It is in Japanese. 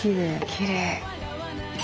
きれい。